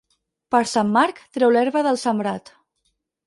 Per Sant Marc, treu l'herba del sembrat.